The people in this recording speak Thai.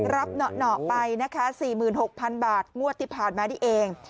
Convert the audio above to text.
รับหนอไปนะคะสี่หมื่นหกพันบาทมวดติดผ่านมานี่เอง